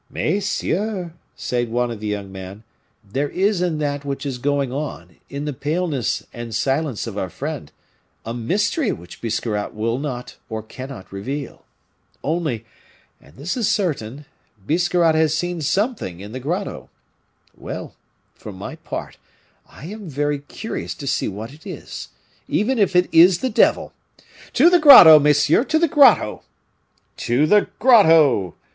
"Messieurs," said one of the young men, "there is in that which is going on, in the paleness and silence of our friend, a mystery which Biscarrat will not, or cannot reveal. Only, and this is certain, Biscarrat has seen something in the grotto. Well, for my part, I am very curious to see what it is, even if it is the devil! To the grotto! messieurs, to the grotto!" "To the grotto!"